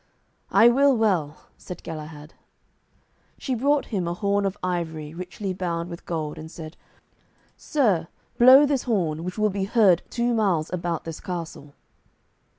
"I will well," said Galahad. She brought him a horn of ivory, richly bound with gold, and said, "Sir, blow this horn, which will be heard two miles about this castle."